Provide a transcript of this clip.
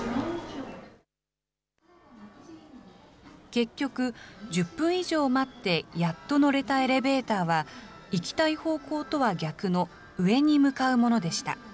結局、１０分以上待って、やっと乗れたエレベーターは行きたい方向とは逆の上に向かうものでした。